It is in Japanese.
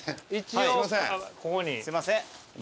すいません。